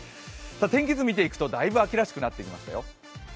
天気図を見ていくとだいぶ秋らしくなってきましたよ。